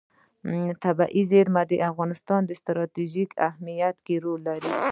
طبیعي زیرمې د افغانستان په ستراتیژیک اهمیت کې رول لري.